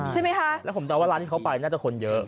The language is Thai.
ใช่ไหมคะแล้วผมเดาว่าร้านที่เขาไปน่าจะคนเยอะ